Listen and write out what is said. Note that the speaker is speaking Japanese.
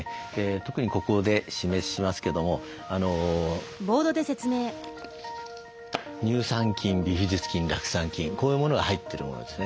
特にここで示しますけども乳酸菌ビフィズス菌酪酸菌こういうものが入ってるものですね。